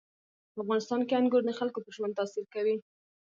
په افغانستان کې انګور د خلکو پر ژوند تاثیر کوي.